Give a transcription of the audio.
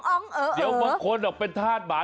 ออกกปะคนปะง็วเป็นทาสหมา